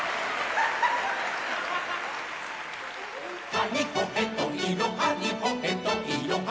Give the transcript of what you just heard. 「はにほへといろはにほへといろは」